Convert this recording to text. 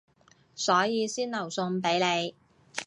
所以先留餸畀你